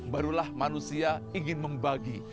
barulah manusia ingin membagi